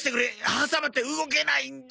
挟まって動けないんだ！